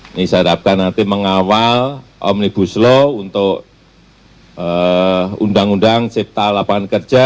ini saya harapkan nanti mengawal omnibus law untuk undang undang cipta lapangan kerja